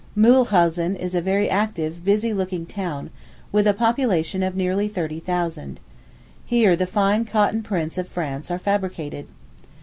Mühlhausen is a very active, busy looking town, with a population of nearly thirty thousand. Here the fine cotton prints of France are fabricated.